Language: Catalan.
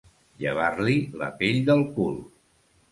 Llevar-li la pell del cul.